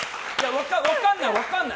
分からない。